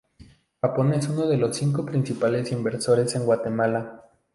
Japón es uno de los cinco principales inversores en Guatemala.